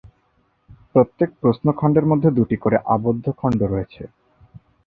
প্রত্যেক প্রশ্ন খণ্ডের মধ্যে দুটি করে আবদ্ধ খণ্ড রয়েছে।